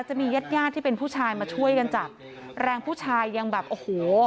จะมีญาติญาติที่เป็นผู้ชายมาช่วยกันจับแรงผู้ชายยังแบบโอ้โห